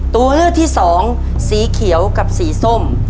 ตัวเลือกที่สอง